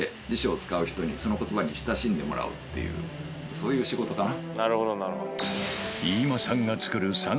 そういう仕事かな。